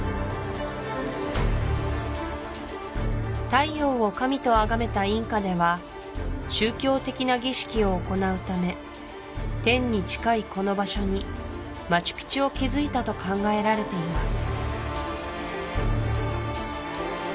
太陽を神とあがめたインカでは宗教的な儀式を行うため天に近いこの場所にマチュピチュを築いたと考えられています